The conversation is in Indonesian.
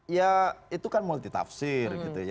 ya itu kan multitafsir gitu ya